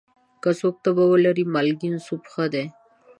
که څوک تبه ولري، مالګین سوپ ښه دی.